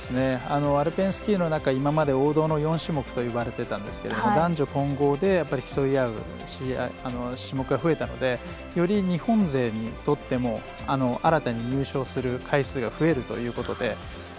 アルペンスキーの中では今まで王道の４種目といわれてたんですけど男女混合で競い合う種目が増えたのでより日本勢にとっても新たに入賞する回数が増えるということで。